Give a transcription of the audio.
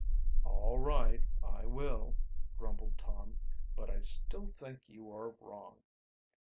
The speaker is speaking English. "All right, I will," grumbled Tom. "But I still think you are wrong."